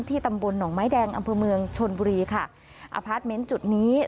ที่ตำบลหนองไม้แดงอำเภอเมืองชคลบรี